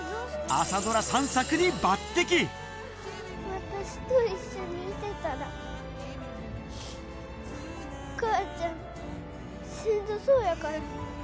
私と一緒にいてたらお母ちゃんしんどそうやから。